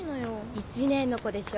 １年のコでしょ